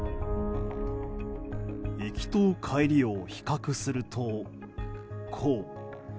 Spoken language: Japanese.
行きと帰りを比較するとこう。